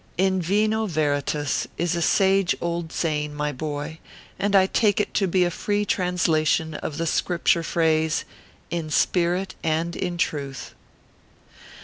In vino ver itas is a sage old saying, my boyj and I take it to be a free translation of the Scripture phrase, " In spirit and in truth."